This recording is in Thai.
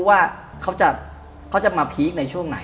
ว่าเขาจะมาพีคในช่วงไหน